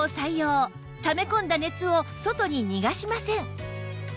ため込んだ熱を外に逃がしません